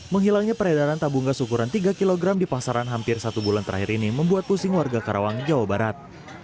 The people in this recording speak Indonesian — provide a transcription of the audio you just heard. menghilangnya peredaran tabung gas ukuran tiga kg di pasaran hampir satu bulan terakhir ini membuat pusing warga karawang jawa barat